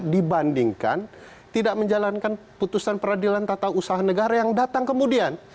dibandingkan tidak menjalankan putusan peradilan tata usaha negara yang datang kemudian